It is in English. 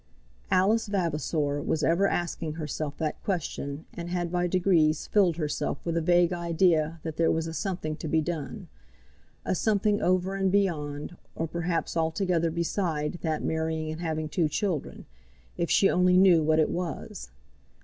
Alice Vavasor was ever asking herself that question, and had by degrees filled herself with a vague idea that there was a something to be done; a something over and beyond, or perhaps altogether beside that marrying and having two children; if she only knew what it was.